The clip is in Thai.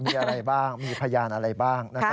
มีอะไรบ้างมีพยานอะไรบ้าง